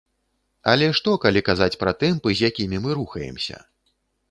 Але што калі казаць пра тэмпы, з якімі мы рухаемся?